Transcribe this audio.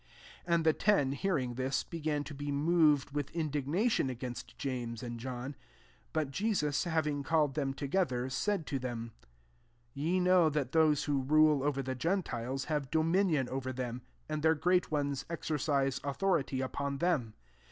41 And the ten hearing thisf began to be moved with indignation against James and John. 42 But Jesus, having called them together, said to them^ '^Ye know that those who rule over the gentiles have dominion over them ; and their great ones exercise authority upon them.